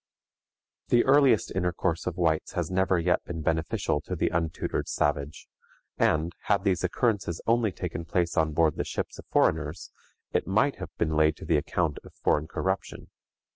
The earliest intercourse of whites has never yet been beneficial to the untutored savage, and, had these occurrences only taken place on board the ships of foreigners, it might have been laid to the account of foreign corruption.